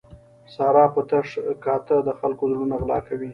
ساره په تش کاته د خلکو زړونه غلا کوي.